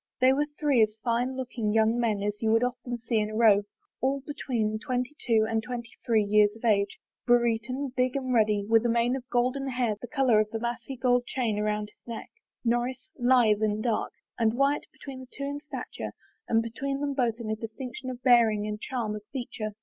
They were three as fine looking young men as you would often see in a row, all between twenty two and twenty three years of age ; Brereton big and ruddy, with a mane of golden hair the color of the massy gold chain about his neck, Norris lithe and dark, and Wyatt between the two in stature and beyond them both in a distinction of bearing and charm of feature.